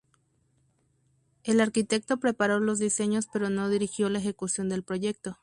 El arquitecto preparó los diseños pero no dirigió la ejecución del proyecto.